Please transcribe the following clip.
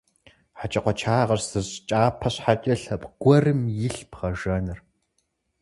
ХьэкӀэкхъуэкӀагъэщ зы щӀы кӀапэ щхьэкӀэ лъэпкъ гуэрым илъ бгъэжэныр.